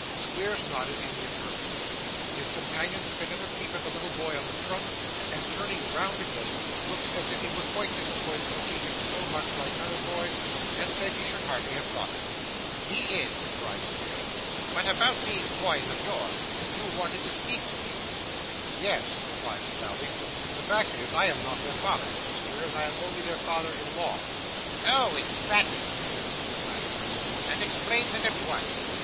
Squeers nodded in the affirmative; his companion took another peep at the little boy on the trunk, and, turning round again, looked as if he were quite disappointed to see him so much like other boys, and said he should hardly have thought it. 'He is,' cried Squeers. 'But about these boys of yours; you wanted to speak to me?' 'Yes,' replied Snawley. 'The fact is, I am not their father, Mr. Squeers. I'm only their father in law.' 'Oh! Is that it?' said the schoolmaster. 'That explains it at once.